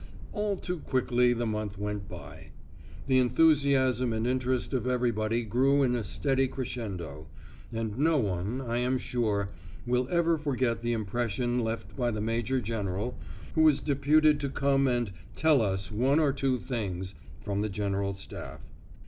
All too quickly the month went by. The enthusiasm and interest of everybody grew in a steady crescendo, and no one, I am sure, will ever forget the impression left by the Major General who was deputed to come and "tell us one or two things" from the General Staff.